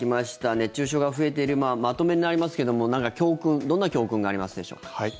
熱中症が増えているまとめになりますけども何か教訓、どんな教訓がありますでしょうか。